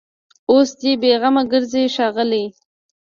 اوس دي بېغمه ګرځي ښاغلي